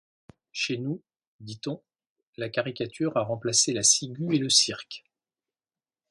Chez nous, dit-on, la caricature a remplacé la ciguë et le cirque.